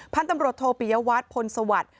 พันธุ์ตำรวจโทปิยวัตรพลสวัสดิ์